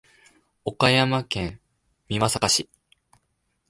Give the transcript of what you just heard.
岡山県美作市